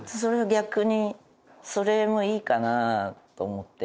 逆にそれもいいかなと思って。